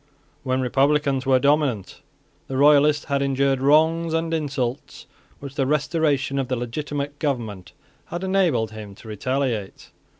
When Republicans were dominant the Royalist had endured wrongs and insults which the restoration of the legitimate government had enabled him to retaliate.